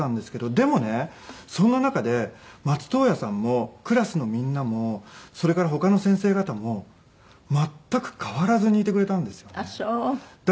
でもねそんな中で松任谷さんもクラスのみんなもそれから他の先生方も全く変わらずにいてくれたんですよね。